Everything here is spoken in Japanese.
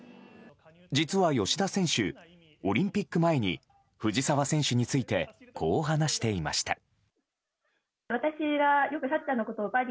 実は吉田選手、オリンピック前に藤澤選手についてこう話していました。